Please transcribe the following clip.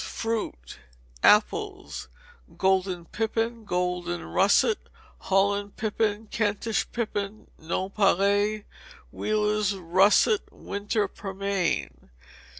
Fruit. Apples: Golden pippin, golden russet, Holland pippin, Kentish pippin, nonpareil, Wheeler's russet, winter pearmain.